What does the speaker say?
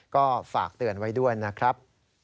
ก็ฝากเตือนไว้ด้วยนะครับ